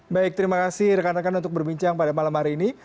baik terima kasih rekan rekan untuk berbincang pada malam hari ini